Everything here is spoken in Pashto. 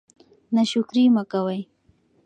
ناشکري مه کوئ.